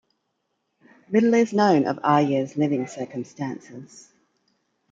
Little is known of Ayrer's living circumstances.